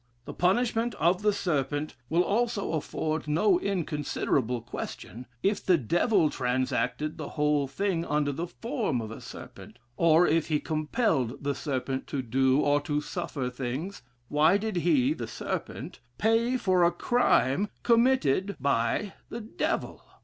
The punishment of the serpent will also afford no inconsiderable question, if the Devil transacted the whole thing under the form of a serpent; or if he compelled the serpent to do, or to suffer things, why did he (the serpent) pay for a crime committed by the Devil?